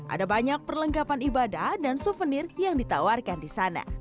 ada banyak perlengkapan ibadah dan souvenir yang ditawarkan di sana